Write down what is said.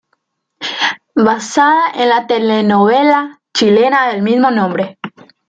Basada en la telenovela chilena del mismo nombre.